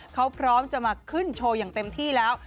เขาพร้อมจะมาขึ้นโชว์อย่างเต็มที่แล้ว